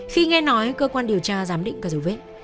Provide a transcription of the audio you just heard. khi nghe nói cơ quan điều tra giám định các dấu vết